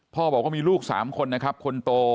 บอกว่ามีลูก๓คนนะครับคนโต